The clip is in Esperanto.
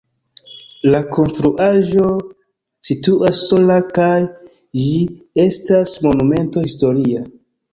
La konstruaĵo situas sola kaj ĝi estas Monumento historia.